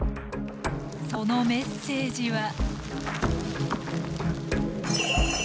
そのメッセージは。